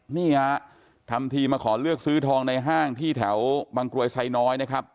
นี่ฮะทำทีมาขอเลือกซื้อทองในห้างที่แถวบางกรวยไซน้อยนะครับ